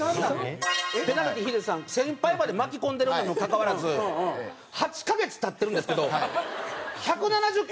ペナルティヒデさん先輩まで巻き込んでるにもかかわらず８カ月経ってるんですけど１７０回。